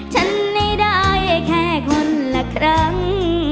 ฉันไม่ได้แค่คนละครั้ง